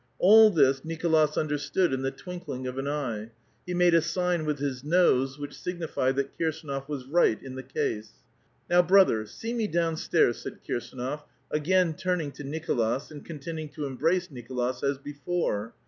All this Nicolas iinderstooXi in the twinkling of an eye ; he made a sign with his nose, which signified tiiat Kirsdnof was right in the case. " Now, brother, see me down stairs," said Kirsdnof, again turning to Nicolas, and continuing to embrace Nicolas as before.